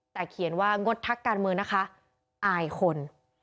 แต่เขียนว่างดทักการเมืองนะคะอายคน